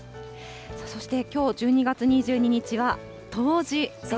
そして、きょう１２月２２日は冬至。